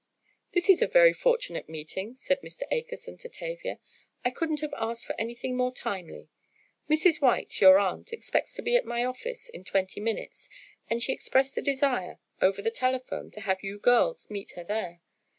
"This is a very fortunate meeting," said Mr. Akerson to Tavia, "I couldn't have asked for anything more timely. Mrs. White, your aunt, expects to be at my office in twenty minutes and she expressed a desire, over the telephone, to have you girls meet her there.